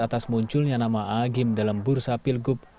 atas munculnya nama a'agim dalam bursa pilgub